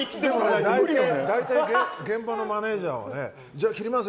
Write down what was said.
大体、現場のマネジャーは切ります